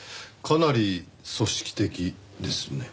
かなり組織的ですね。